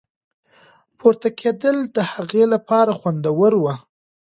پورته کېدل د هغې لپاره خوندور وو.